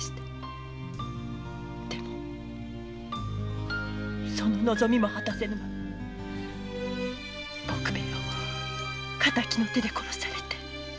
でもその望みも果たせぬまま杢兵衛を敵の手で殺されて。